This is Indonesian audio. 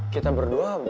kita berdua bu